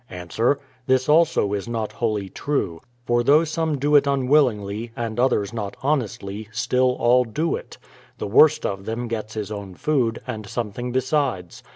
Ans : This also is not wholly true : for though some do it un willingly, and others not honestly, still all do it. The worst of them gets his own food, and something besides.